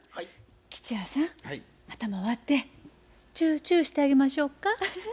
吉弥さん頭割ってチューチューしてあげましょうか？